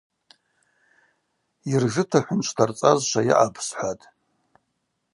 Йыржыта хӏвынчӏв тарцӏазшва йаъапӏ, – схӏватӏ.